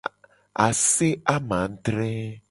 Ase amadre.